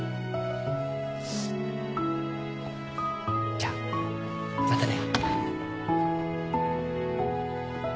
じゃあまたね。